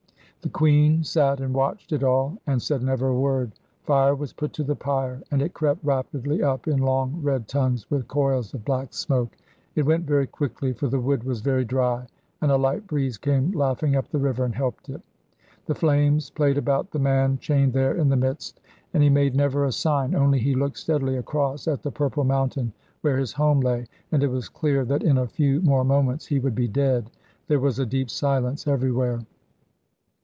The queen sat and watched it all, and said never a word. Fire was put to the pyre, and it crept rapidly up in long red tongues with coils of black smoke. It went very quickly, for the wood was very dry, and a light breeze came laughing up the river and helped it. The flames played about the man chained there in the midst, and he made never a sign; only he looked steadily across at the purple mountain where his home lay, and it was clear that in a few more moments he would be dead. There was a deep silence everywhere.